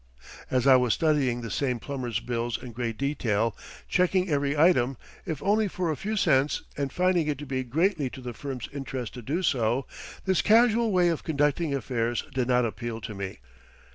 As I was studying the same plumber's bills in great detail, checking every item, if only for a few cents, and finding it to be greatly to the firm's interest to do so, this casual way of conducting affairs did not appeal to me.